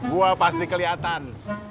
gua pasti kelihatan